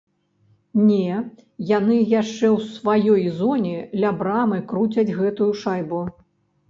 Не, яны яшчэ ў сваёй зоне ля брамы круцяць гэтую шайбу.